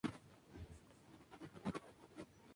Los partidos originalmente se iban a jugar en Siria.